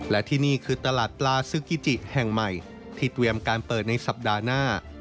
และที่นี่คือตลาดปลาซึกิแห่งใหม่ที่เตรียมการเปิดในสัปดาห์หน้า